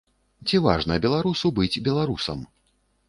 Ці важна беларусу быць беларусам?